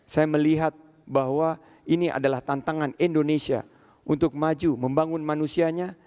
saya melihat bahwa ini adalah tantangan indonesia untuk maju membangun manusianya